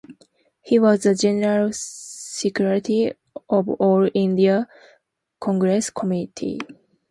He was the general secretary of All India Congress Committee.